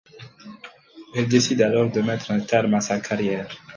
Elle décide alors de mettre un terme à sa carrière.